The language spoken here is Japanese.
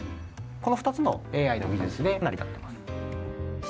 この２つのＡＩの技術で成り立っています。